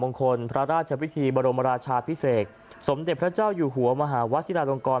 ครพระราชพิธีบรมราชาพิเศษสมเด็จพระเจ้าอยู่หัวมหาวชิลาลงกร